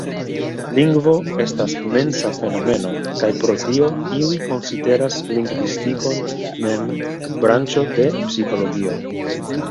Lingvo estas mensa fenomeno, kaj pro tio iuj konsideras lingvistikon mem branĉo de psikologio.